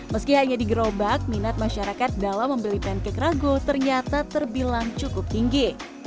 meski hanya digerobak minat masyarakat dalam membeli pancake rago ternyata terbilang cukup tinggi